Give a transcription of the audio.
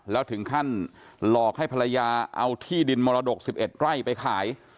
แล้วถึงขั้นหลอกให้ภรรยาเอาที่ดินมรดก๑๑ไร่ไปขาย